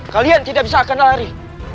kalian tidak bisa akan lari